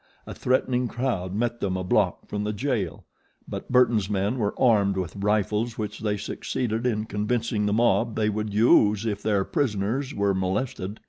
A threatening crowd met them a block from the jail; but Burton's men were armed with rifles which they succeeded in convincing the mob they would use if their prisoners were molested.